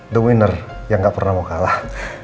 the winner yang gak pernah mau kalah